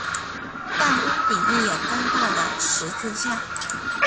但屋顶立有高大的十字架。